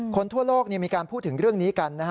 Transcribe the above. คนทั่วโลกมีการพูดถึงเรื่องนี้กันนะฮะ